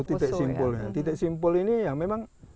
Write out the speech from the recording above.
titik simpul ini ya memang